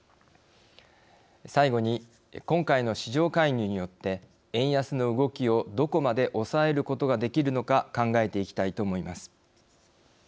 最後に今回の市場介入によって円安の動きをどこまで抑えることができるのか考えていきたいと思います。